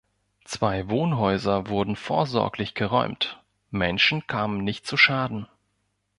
Zwei Wohnhäuser wurden vorsorglich geräumt, Menschen kamen nicht zu Schaden.